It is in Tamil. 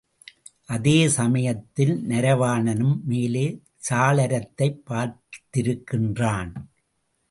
அதே சமயத்தில் நரவாணனும் மேலே சாளரத்தைப் பார்த்திருக்கின்றான்.